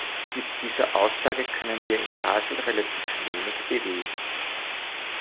Mit dieser Aussage können wir in Basel relativ wenig bewegen.